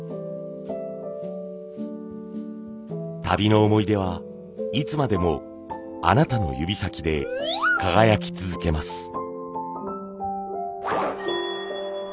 旅の思い出はいつまでもあなたの指先で輝き続けます。